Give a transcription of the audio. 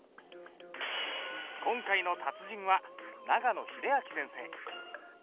今回の達人は長野秀章先生。